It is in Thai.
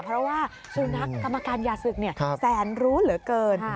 เพราะว่าสุนัขกรรมการยาศึกแสนรู้เหลือเกิน